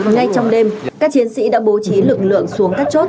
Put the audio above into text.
ngay trong đêm các chiến sĩ đã bố trí lực lượng xuống các chốt